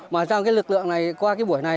mà trong lực lượng này qua buổi này